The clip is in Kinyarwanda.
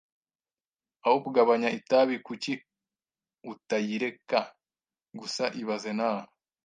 Aho kugabanya itabi, kuki utayireka gusa ibaze nawe